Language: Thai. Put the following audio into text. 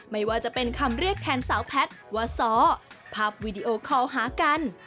ไม่ว่าจะเป็นคำเรียกแทนสาวแพทย์ว่าซ้อภาพวีดีโอคอลหากัน